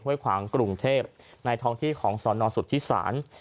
เว้ยขวางกรุงเทพฯในท้องที่ของสอนอสุทธิสาร